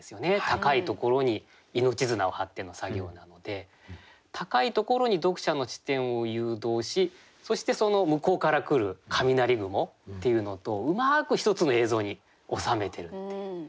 高いところに命綱を張っての作業なので高いところに読者の視点を誘導しそしてその向こうから来る雷雲っていうのとうまく一つの映像に収めてるっていう。